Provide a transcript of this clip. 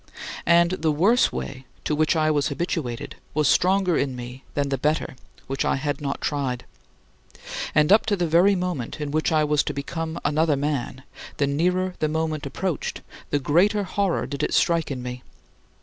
And the worse way, to which I was habituated, was stronger in me than the better, which I had not tried. And up to the very moment in which I was to become another man, the nearer the moment approached, the greater horror did it strike in me.